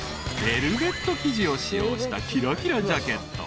［ベルベット生地を使用したきらきらジャケット］